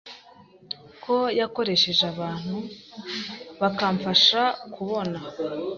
ko yakoresheje abantu bakamfasha kubona